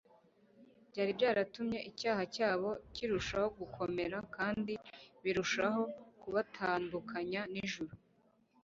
byari byaratumye icyaha cyabo kirushaho gukomera kandi birushaho kubatandukanya nIjuru